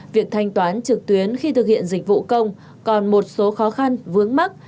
việc thanh toán trực tuyến khi thực hiện dịch vụ công còn một số khó khăn vướng mắt